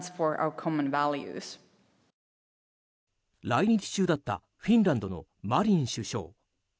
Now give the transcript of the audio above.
来日中だったフィンランドのマリン首相。